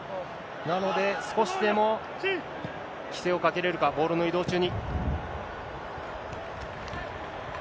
なので、少しでも規制かけれるか、ボールの移動中に。